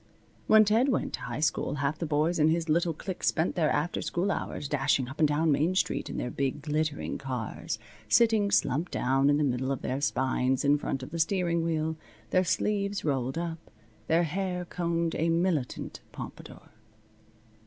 When Ted went to high school half the boys in his little clique spent their after school hours dashing up and down Main street in their big, glittering cars, sitting slumped down on the middle of their spines in front of the steering wheel, their sleeves rolled up, their hair combed a militant pompadour.